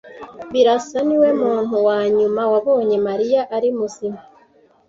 Birasa niwe muntu wa nyuma wabonye Mariya ari muzima.